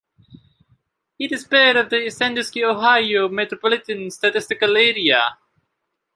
It is part of the Sandusky, Ohio Metropolitan Statistical Area.